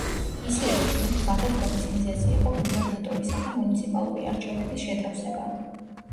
მისივე თქმით, გადადგომის მიზეზი იყო გუბერნატორისა და მუნიციპალური არჩევნების შეთავსება.